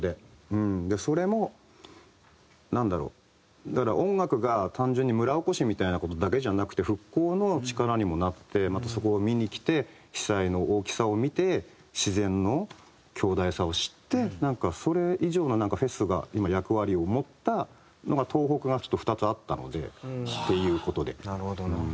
それもなんだろうだから音楽が単純に村おこしみたいな事だけじゃなくて復興の力にもなってまたそこを見に来て被災の大きさを見て自然の強大さを知ってなんかそれ以上のフェスが今役割を持ったのが東北がちょっと２つあったのでっていう事で。